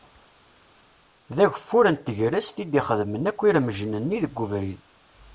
D ageffur n tegrest i d-ixedmen akk iremjen-nni deg ubrid.